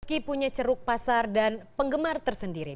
meski punya ceruk pasar dan penggemar tersendiri